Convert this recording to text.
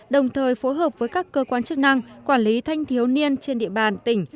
đồng thời phối hợp với các cơ quan chức năng quản lý thanh thiếu niên trên địa bàn tỉnh